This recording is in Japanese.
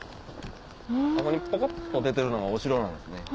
あそこにポコっと出てるのがお城なんですね。